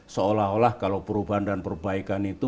seolah olah kalau perubahan dan perbaikan itu